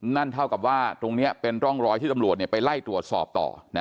นั่นเท่ากับว่าตรงนี้เป็นร่องรอยที่ตำรวจไปไล่ตรวจสอบต่อ